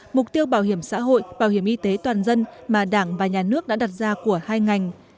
mục tiêu bảo hiểm xã hội bảo hiểm y tế toàn dân mà đảng và nhà nước đã đặt ra của hai ngành